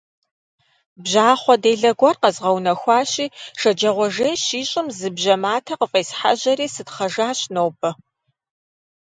Бжьахъуэ делэ гуэр къэзгъэунэхуащи, шэджагъуэ жей щищӀым зы бжьэ матэ къыфӀесхьэжьэри сытхъэжащ нобэ.